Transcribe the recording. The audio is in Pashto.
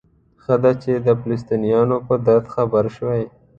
ښه ده چې د فلسطینیانو په درد خبر شوئ.